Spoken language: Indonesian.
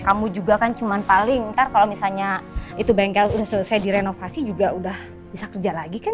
kamu juga kan cuma paling ntar kalau misalnya itu bengkel saya direnovasi juga udah bisa kerja lagi kan